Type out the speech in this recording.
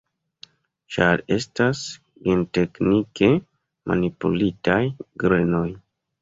Ĉar estas genteknike manipulitaj grenoj.